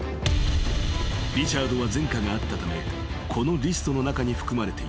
［リチャードは前科があったためこのリストの中に含まれていた］